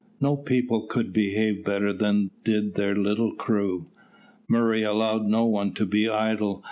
No people could behave better than did their little crew. Murray allowed no one to be idle.